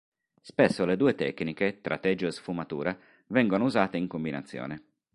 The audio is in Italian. Spesso le due tecniche, tratteggio e sfumatura, vengono usate in combinazione.